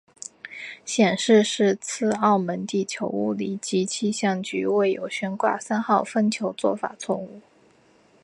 显示是次澳门地球物理暨气象局未有悬挂三号风球做法错误。